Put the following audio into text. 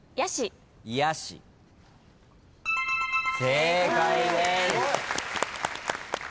正解です。